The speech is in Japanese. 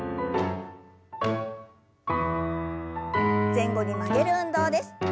前後に曲げる運動です。